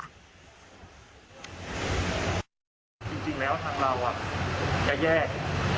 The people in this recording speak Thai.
จริงแล้วทางเราจะแยก